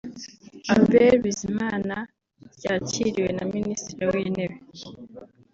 Abel Bizimana ryakiriwe na Minisitiri w’Intebe